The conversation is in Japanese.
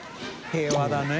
平和だね。